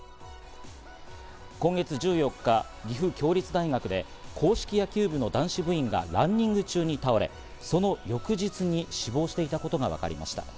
今月１４日、岐阜協立大学で硬式野球部の男子部員がランニング中に倒れ、その翌日に死亡していたことがわかりました。